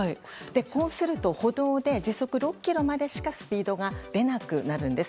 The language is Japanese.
こうすると歩道で時速６キロまでしかスピードが出なくなるんです。